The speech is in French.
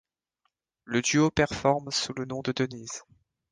Le duo performe sous le nom de Denise.